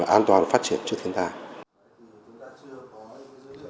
an toàn phát triển trước thiên tai